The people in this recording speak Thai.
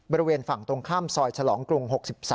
บริเวณฝั่งตรงข้ามซอยฉลองกรุง๖๓